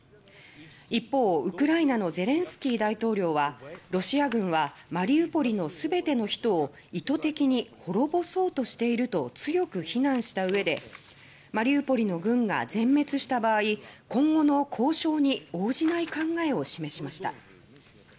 一方、ウクライナのゼレンスキー大統領は「ロシア軍はマリウポリの全ての人を意図的に滅ぼそうとしている」と強く非難したうえでマリウポリの軍が全滅した場合今後の交渉に応じない考えを示しました。